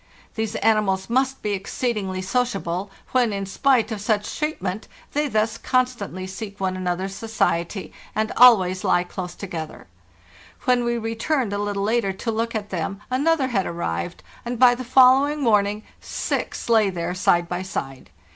These animals must be exceedingly sociable, when, in spite of such treatment, they thus constantly seek one another's society, and always lie close together. When we returned a little later to look at them another had arrived, and by the follow ing morning six lay there side by side.